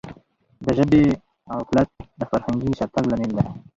د ژبي غفلت د فرهنګي شاتګ لامل دی.